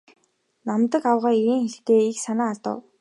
Намдаг авга ийн хэлээд их санаа алдав.